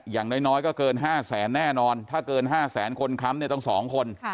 อย่างน้อยก็เกิน๕แสนแน่นอนถ้าเกิน๕แสนคนค้ำเนี่ยต้อง๒คน